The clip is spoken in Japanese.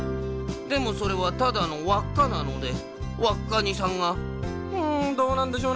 でもそれはただのわっかなのでわっカニさんが「うんどうなんでしょうね。